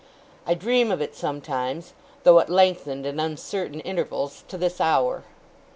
I dream of it sometimes, though at lengthened and uncertain intervals, to this hour.